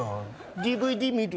ＤＶＤ見る？